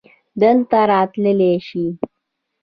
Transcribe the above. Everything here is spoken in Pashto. دلته راتللی شې؟